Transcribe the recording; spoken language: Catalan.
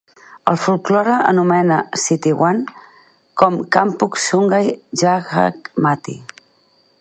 El folklore anomena Sitiawan com Kampung Sungai Gajah Mati.